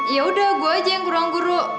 yaudah gue aja yang kurang guru